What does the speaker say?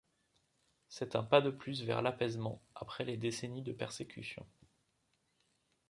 C'est un pas de plus vers l'apaisement après des décennies de persécutions.